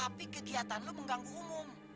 tapi kegiatan lo mengganggu umum